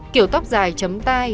kiểu tóc dài chấm tai